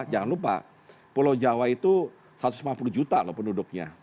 jangan lupa pulau jawa itu satu ratus lima puluh juta loh penduduknya